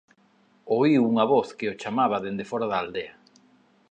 Oíu unha voz que o chamaba dende fóra da aldea.